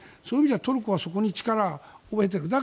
そういう意味ではトルコはそういう力を持っている。